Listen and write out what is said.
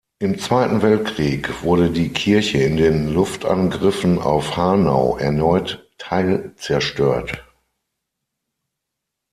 Im Zweiten Weltkrieg wurde die Kirche in den Luftangriffen auf Hanau erneut teilzerstört.